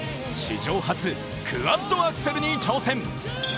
史上初、クワッドアクセルに挑戦。